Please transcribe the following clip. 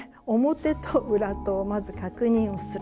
表と裏とをまず確認をする。